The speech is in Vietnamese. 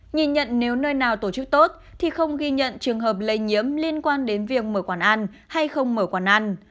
nhìn nhận nếu nơi nào tổ chức tốt thì không ghi nhận trường hợp lây nhiễm liên quan đến việc mở quán ăn hay không mở quán ăn